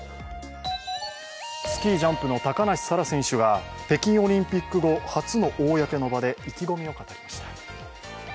スキージャンプの高梨沙羅選手が北京オリンピック後、初の公の場で意気込みを語りました。